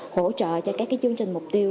hỗ trợ cho các cái chương trình mục tiêu